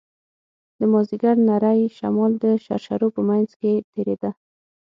د مازديګر نرى شمال د شرشرو په منځ کښې تېرېده.